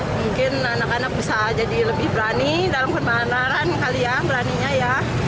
mungkin anak anak bisa jadi lebih berani dalam kebanggaran kali ya beraninya ya